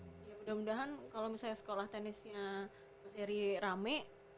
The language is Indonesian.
ya mudah mudahan kalau misalnya sekolah tenisnya seri rame